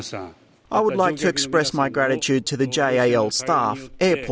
saya ingin mengucapkan terima kasih kepada staf jal